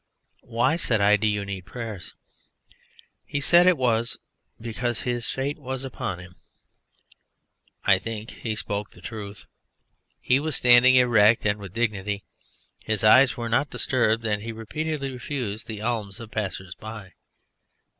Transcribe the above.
"Why," said I, "do you need prayers?" He said it was because his fate was upon him. I think he spoke the truth. He was standing erect and with dignity, his eyes were not disturbed, and he repeatedly refused the alms of passers by.